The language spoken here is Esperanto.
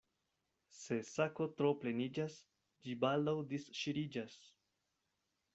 Se sako tro pleniĝas, ĝi baldaŭ disŝiriĝas.